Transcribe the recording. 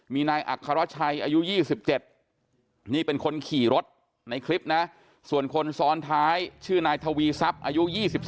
มีนายอัครชัยอายุ๒๗นี่เป็นคนขี่รถในคลิปนะส่วนคนซ้อนท้ายชื่อนายทวีทรัพย์อายุ๒๓